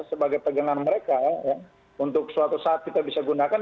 sebagai pegangan mereka untuk suatu saat kita bisa gunakan